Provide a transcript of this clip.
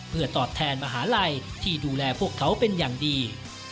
เพื่อตอบแทนมหาลัยที่ดูแลพวกเขาเป็นอย่างดี